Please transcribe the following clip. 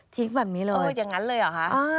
แบบนี้เลยอย่างนั้นเลยเหรอคะ